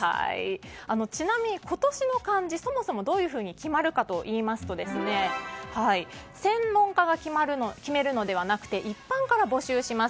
ちなみに今年の漢字がそもそもどういうふうに決まるかといいますと専門家が決めるのではなくて一般から募集します。